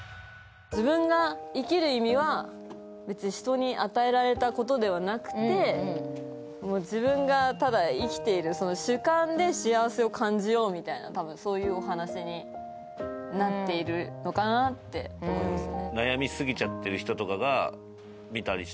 自分が生きる意味は、別に人に与えられたことではなくて、自分がただ生きている、その主観で幸せを感じようみたいな多分、そういうお話になっているのかなって思いますね。